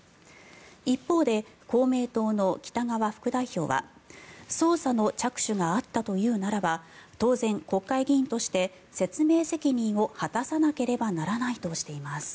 一方で公明党の北側副代表は捜査の着手があったというならば当然、国会議員として説明責任を果たさなければならないとしています。